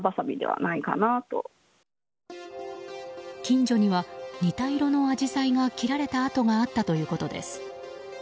近所には似た色のアジサイが切られた跡があったということです。